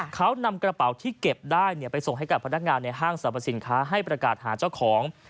เขานำกระเป๋าที่เก็บได้ไปส่งให้กับพนักงานในห้างสรรพสินค้าให้ประกาศหาเจ้าของ